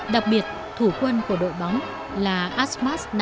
đặc biệt thủ quân của đội bóng là asmat navi còn bị cận thị rất nặng